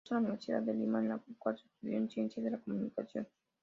Ingresó a la Universidad de Lima, en la cual estudió Ciencias de la Comunicación.